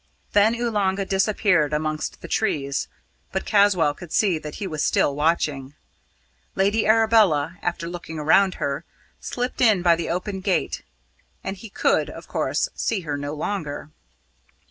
Then Oolanga disappeared amongst the trees; but Caswall could see that he was still watching. Lady Arabella, after looking around her, slipped in by the open door, and he could, of course, see her no longer.